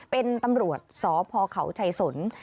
เป็นตำรวจสพเขาชัยสน